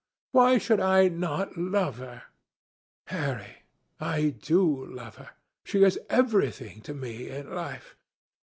Why should I not love her? Harry, I do love her. She is everything to me in life.